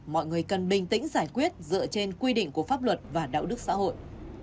mọi người cần bình tĩnh giải quyết dựa trên quy định của pháp luật và đạo đức xã hội